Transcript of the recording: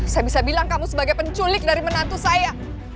saya bisa bilang kamu sebagai penculik dari menantu saya